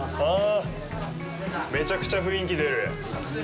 めちゃくちゃ雰囲気出る。